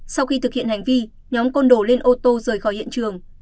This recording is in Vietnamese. sau khi thực hiện hành vi nhóm con đồ lên ô tô rời khỏi hiện trường